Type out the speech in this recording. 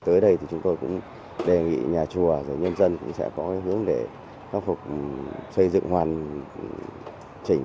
tới đây thì chúng tôi cũng đề nghị nhà chùa nhân dân cũng sẽ có hướng để khắc phục xây dựng hoàn chỉnh